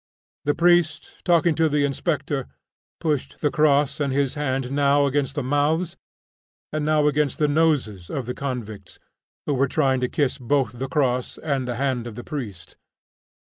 The priest, talking to the inspector, pushed the cross and his hand now against the mouths and now against the noses of the convicts, who were trying to kiss both the cross and the hand of the priest.